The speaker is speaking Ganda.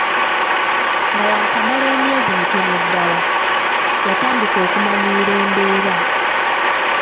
Nga yakamala emyezi mitono ddala, y’atandika okumanyiira embeera.